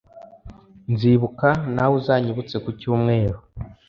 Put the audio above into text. nzibuka nawe uzanyibutse kucyumweru